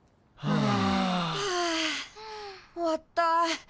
はあ終わった。